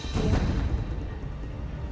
aku mohon mereka nggak usah khawatir